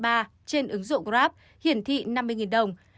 trên ứng dụng grab hiển thị năm mươi đồng